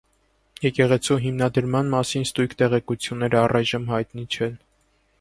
Եկեղեցու հիմնադրման մասին ստույգ տեղեկություններ առայժմ հայտնի չեն։